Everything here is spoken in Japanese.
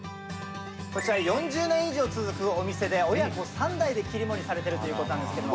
こちら、４０年以上続くお店で、親子３代で切り盛りされているということなんですけれども。